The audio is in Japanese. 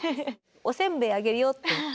おせんべいあげるよって。